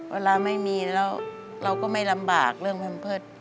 เวลาไม่มีแล้วเราก็ไม่ลำบากเรื่องแพมเพิร์ต